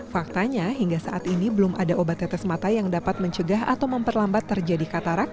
faktanya hingga saat ini belum ada obat tetes mata yang dapat mencegah atau memperlambat terjadi katarak